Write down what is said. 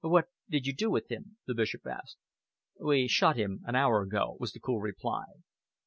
"What did you do with him?" the Bishop asked. "We shot him an hour ago," was the cool reply.